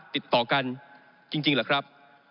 ติดต่อกันจริงเหรอครับ